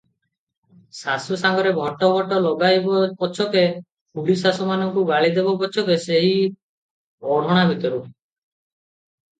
ଶାଶୁ ସାଙ୍ଗରେ ଭଟ ଭଟ ଲଗାଇବ ପଛକେ, ଖୁଡ଼ୀଶାଶୁମାନଙ୍କୁ ଗାଳିଦେବ ପଛକେ ସେହି ଓଢ଼ଣା ଭିତରୁ ।